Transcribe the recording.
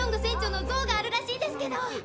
船長の像があるらしいですけど。